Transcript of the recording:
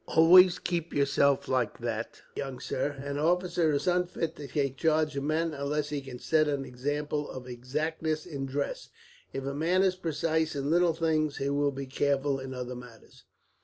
"Always keep yourself like that, young sir. An officer is unfit to take charge of men, unless he can set an example of exactness in dress. If a man is precise in little things, he will be careful in other matters.